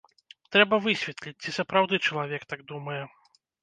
Трэба высветліць, ці сапраўды чалавек так думае.